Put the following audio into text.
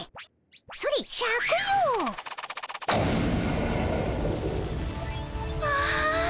それシャクよ！わ！